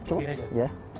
seperti ini aja